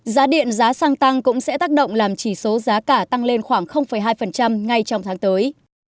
giá điện giá xăng tăng cũng sẽ tác động làm chỉ số giá cả tăng lên khoảng hai ngay trong tháng tới